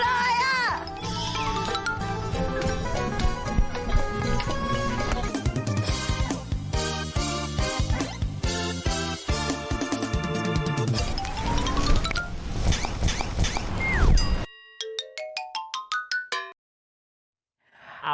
โอเค